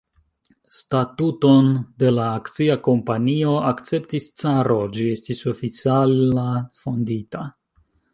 Statuton de la akcia kompanio akceptis caro; ĝi estis oficiala fondita.